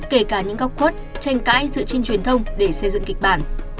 kể cả những góc khuất tranh cãi dựa trên truyền thông để xây dựng kịch bản